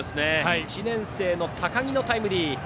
１年生の高木のタイムリー。